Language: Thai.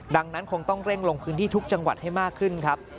ดังนั้นคงต้องเร่งลงพื้นที่ทุกจังหวัดให้มากขึ้นครับ